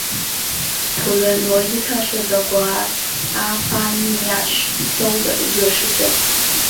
普伦罗伊特是德国巴伐利亚州的一个市镇。